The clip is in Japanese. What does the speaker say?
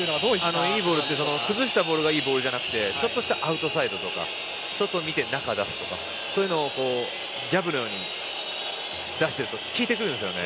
崩したボールがいいボールじゃなくてちょっとしたアウトサイドとか外を見て、中に出すとかそういうのをジャブのように出してると効いてくるんですよね。